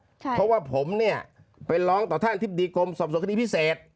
เพราะว่าผมเนี่ยไปร้องต่อท่านอธิบดีกรมสอบสวนคดีพิเศษ